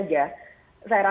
saya rasa gak perlu